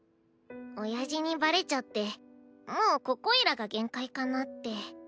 おやじにバレちゃってもうここいらが限界かなって。